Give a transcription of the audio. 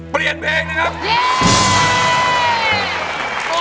เปลี่ยนเพลงนะครับ